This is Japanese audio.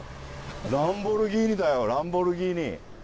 ランボルギーニだよ、ランボルギーニ。